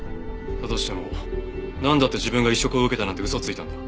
だとしてもなんだって自分が移植を受けたなんて嘘をついたんだ？